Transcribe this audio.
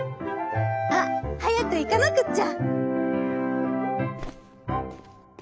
「あっはやくいかなくっちゃ」。